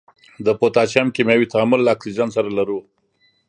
د پوتاشیم کیمیاوي تعامل له اکسیجن سره لرو.